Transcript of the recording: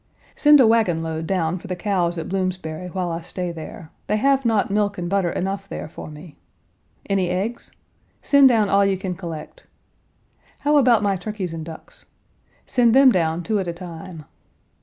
"Send a wagon load down for the cows at Bloomsbury while I stay there. They have not milk and butter enough there for me. Any eggs? Send down all you can collect. How about my turkeys and ducks? Send them down two at a time.